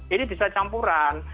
ini bisa campuran